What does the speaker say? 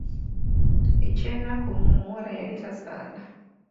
Eky'ennaku omuwala yali tazaala.